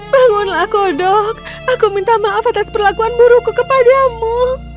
bangunlah kodok aku minta maaf atas perlakuan burukku kepadamu